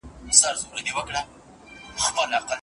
موږ د خپل انسانيت حيصه ورکړې